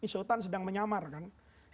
sultan sedang menyamar kan